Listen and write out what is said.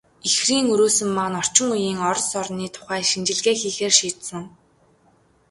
Ихрийн өрөөсөн маань орчин үеийн Орос орны тухай шинжилгээ хийхээр шийдсэн.